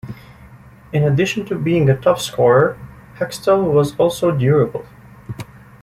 In addition to being a top scorer, Hextall was also durable.